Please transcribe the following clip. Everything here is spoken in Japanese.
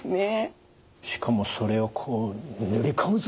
しかもそれをこう塗り込むぞ！